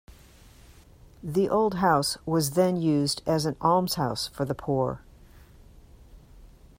The old house was then used as an almshouse for the poor.